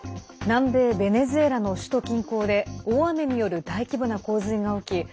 南米ベネズエラの首都近郊で大雨による大規模な洪水が起き